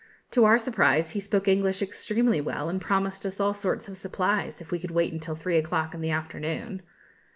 To our surprise, he spoke English extremely well, and promised us all sorts of supplies, if we could wait until three o'clock in the afternoon.